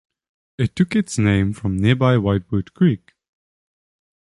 It took its name from nearby Whitewood Creek.